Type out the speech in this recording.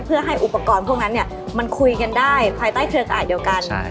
เพื่อให้อุปกรณ์พวกนั้นมันคุยกันได้ภายใต้เครือข่ายเดียวกัน